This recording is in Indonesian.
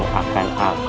aku akan lakukan